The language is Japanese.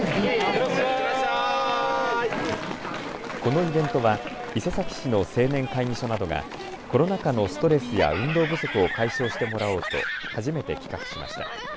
このイベントは伊勢崎市の青年会議所などがコロナ禍のストレスや運動不足を解消してもらおうと初めて企画しました。